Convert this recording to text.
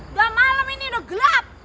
udah malam ini udah gelap